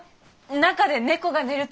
中で猫が寝るという！